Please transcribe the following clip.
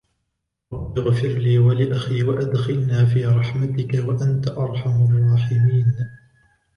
قال رب اغفر لي ولأخي وأدخلنا في رحمتك وأنت أرحم الراحمين